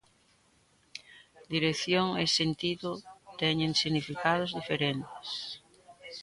Dirección e sentido teñen significados diferentes